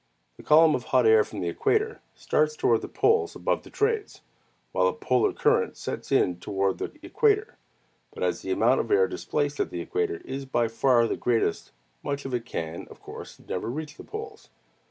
The column of hot air from the equator starts toward the poles above the trades, while a polar current sets in toward the equator; but as the amount of air displaced at the equator is by far the greatest, much of it can, of course, never reach the poles.